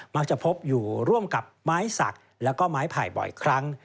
มักจะพบอยู่ร่วมกับไม้สักแล้วก็ไม้ไผ่บ่อยครั้ง